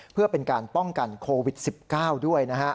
เพื่อเป็นการป้องกันโควิด๑๙ด้วยนะฮะ